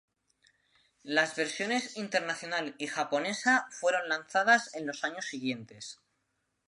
Las versiones internacional y japonesa fueron lanzadas en los años siguientes.